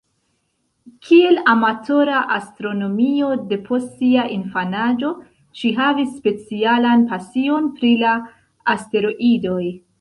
Kiel amatora astronomino depost sia infanaĝo, ŝi havas specialan pasion pri la asteroidoj.